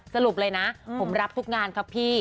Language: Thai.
สรุปเลยนะผมรับทุกงานครับพี่